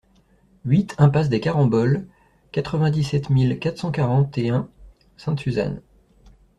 huit impasse des Caramboles, quatre-vingt-dix-sept mille quatre cent quarante et un Sainte-Suzanne